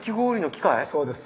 そうです。